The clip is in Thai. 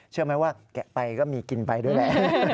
เชื่อไหมว่าแกะไปก็มีกินไปด้วยแหละ